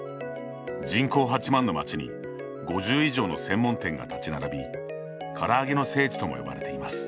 人口８万の町に５０以上の専門店が立ち並びから揚げの聖地とも呼ばれています。